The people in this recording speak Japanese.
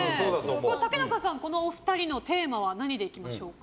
竹中さん、お二人のテーマは何でいきましょうか。